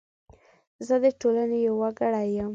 زه د ټولنې یو وګړی یم .